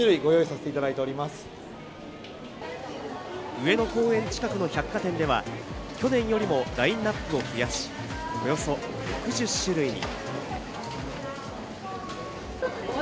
上野公園近くの百貨店では去年よりもラインアップを増やし、およそ６０種類に。